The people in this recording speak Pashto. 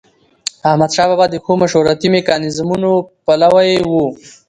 احمدشاه بابا د ښو مشورتي میکانیزمونو پلوي و.